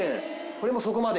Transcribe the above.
これもそこまで？